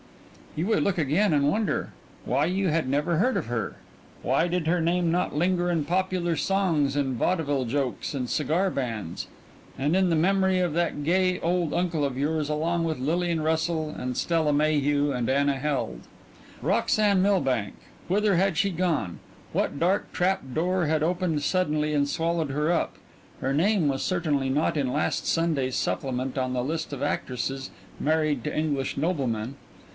You would look again and wonder. Why you had never heard of her. Why did her name not linger in popular songs and vaudeville jokes and cigar bands, and the memory of that gay old uncle of yours along with Lillian Russell and Stella Mayhew and Anna Held? Roxanne Milbank whither had she gone? What dark trap door had opened suddenly and swallowed her up? Her name was certainly not in last Sunday's supplement on the list of actresses married to English noblemen.